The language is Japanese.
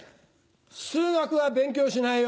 数学は勉強しないよ。